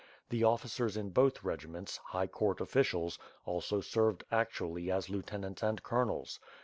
The officers in both regiments, high court offi cials, also served actually as lieutenants and colonels.